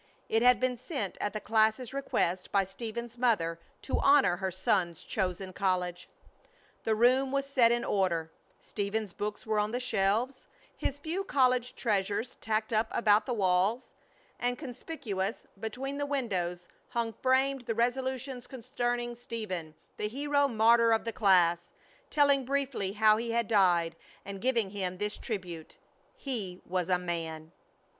It had been sent at the class's request by Stephen's mother to honor her son's chosen college. The room was set in order, Stephen's books were on the shelves, his few college treasures tacked up about the walls; and conspicuous between the windows hung framed the resolutions concerning Stephen the hero martyr of the class, telling briefly how he had died, and giving him this tribute, "He was a man!"